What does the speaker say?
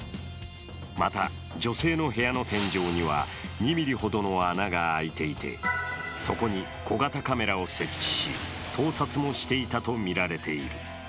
また女性の部屋の天井には２ｍｍほどの穴が開いていてそこに小型カメラを設置し盗撮もしていたとみられている。